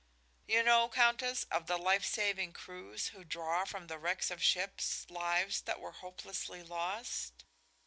"You know, Countess, of the life saving crews who draw from the wrecks of ships lives that were hopelessly lost?